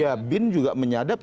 ya bin juga menyadap